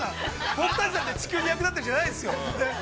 僕たちだって地球に役立ってるじゃないですよ。